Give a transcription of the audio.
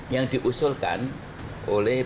yang diusulkan oleh